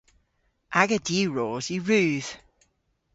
Aga diwros yw rudh.